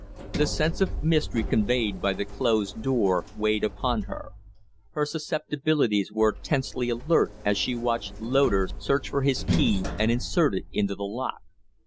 The sense of mystery conveyed by the closed door weighed upon her. Her susceptibilities were tensely alert as she watched Loder search for his key and insert it in the lock.